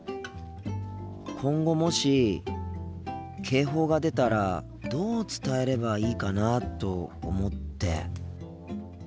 今後もし警報が出たらどう伝えればいいかなと思って。